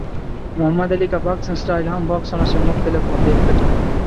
محمد Ali کا boxing style عام باکسروں سے مختلف اور دلکش تھا۔